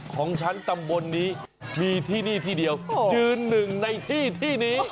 ของฉันตำบลนี้มีที่นี่ที่เดียวยืนหนึ่งในที่ที่นี้